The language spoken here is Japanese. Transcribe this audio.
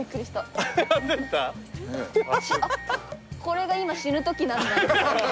「これが今死ぬときなんだ」って。